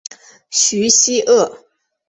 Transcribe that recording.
叙西厄。